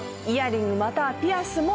イヤリングまたはピアス！